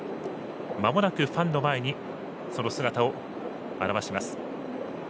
まもなくファンの前にその姿を現します。